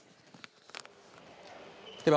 では